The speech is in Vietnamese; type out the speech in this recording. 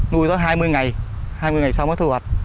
nuôi đó hai mươi ngày hai mươi ngày sau mới thu hoạch